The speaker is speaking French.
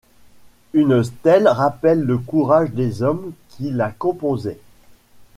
Une stèle rappelle le courage des hommes qui la composaient.